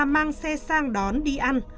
mang xe sang đón đi ăn